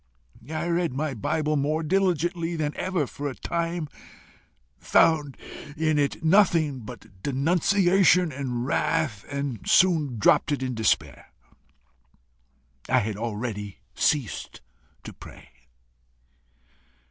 I read my bible more diligently than ever for a time, found in it nothing but denunciation and wrath, and soon dropped it in despair. I had already ceased to pray.